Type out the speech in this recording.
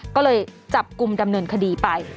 ก็เลยจับกลุ่มดำเนินคดีไป